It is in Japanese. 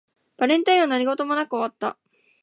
バレンタインは何事もなく終わった